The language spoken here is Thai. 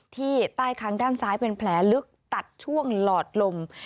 ที่ใต้ค้างด้านซ้ายเป็นแผลลึกตัดช่วงหลอดลม